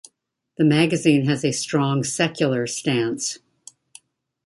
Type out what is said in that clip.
The magazine has a strong secular stance.